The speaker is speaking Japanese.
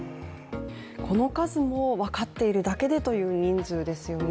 この数も分かっているだけでという人数ですよね。